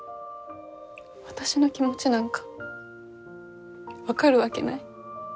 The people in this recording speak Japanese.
私の気持ちなんか分かるわけない。